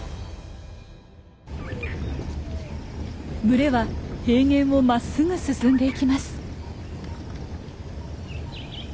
群れは平原をまっすぐ進んでいきます。